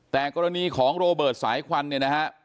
แต่กรณีของโรเบิร์ตสายควันเนี่ยนะฮะ